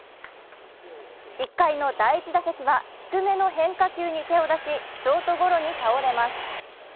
１回の第１打席は低めの変化球に手を出しショートゴロに倒れます。